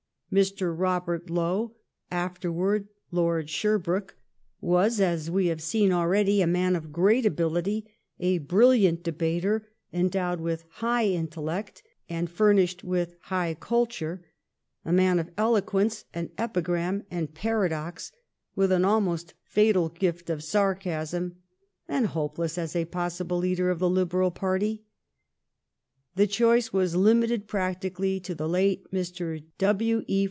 Mr. Robert Lowe, afterward Lord Sherbrooke, was, as we have seen already, a man of great ability, a brilliant debater, endowed with high intellect and 3i6 THE STORY OF GLADSTONE'S LIFE furnished with liigh cultuiL', a man of eloquence and epigram and paradox, with an almost fatal gift of sarcasm, and hopeless as a possible leader of the Liberal party. The choice was limited practically to the late Mr. W. E.